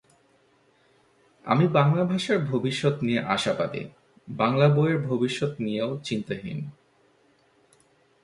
আমি বাংলা ভাষার ভবিষ্যৎ নিয়ে আশাবাদী, বাংলা বইয়ের ভবিষ্যৎ নিয়েও চিন্তাহীন।